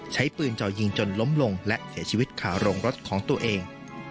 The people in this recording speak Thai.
ใช้ปืนจ่อยิงจนล้มลงและเสียชีวิตขาโรงรถของตัวเอง